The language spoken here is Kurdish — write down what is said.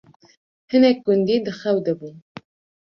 hinek gundî di xew de bûn